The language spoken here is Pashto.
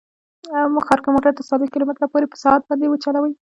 ښار کې موټر تر څلوېښت کیلو متره پورې په ساعت باندې وچلوئ